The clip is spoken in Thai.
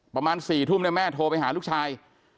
ประมาณ๔ทุ่มแม่โทรไปหาลูกชาย